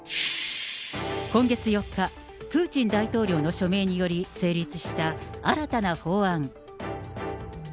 今月４日、プーチン大統領の署名により成立した新たな法案。